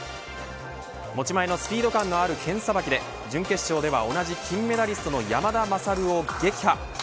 持ち前のスピード感のある剣さばきで準決勝で同じ金メダリストの山田優を撃破。